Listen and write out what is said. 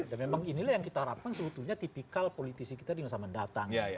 dan memang inilah yang kita harapkan sebetulnya tipikal politisi kita di masa mendatang